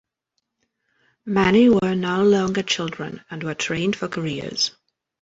Many were no longer children and were trained for careers.